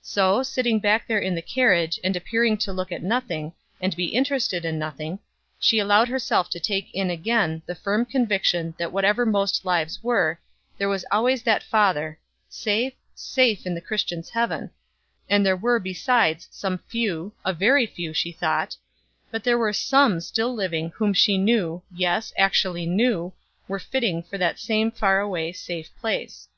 So, sitting back there in the carriage, and appearing to look at nothing, and be interested in nothing, she allowed herself to take in again the firm conviction that whatever most lives were, there was always that father safe, safe in the Christian's heaven and there were besides some few, a very few, she thought; but there were some still living, whom she knew, yes, actually knew, were fitting for that same far away, safe place.